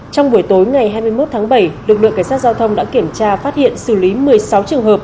trong buổi tối ngày hai mươi một tháng bảy lực lượng cảnh sát giao thông đã kiểm tra phát hiện xử lý một mươi sáu trường hợp